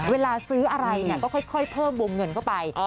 เวลาซื้ออะไรก็ค่อยเพิ่มวงเงินเข้าไป